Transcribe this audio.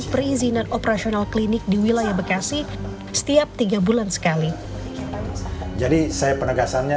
perizinan operasional klinik di wilayah bekasi setiap tiga bulan sekali jadi saya penegasannya